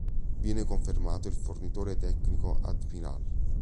Viene confermato il fornitore tecnico Admiral.